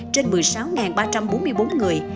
trung cấp là hai trăm bốn mươi bốn người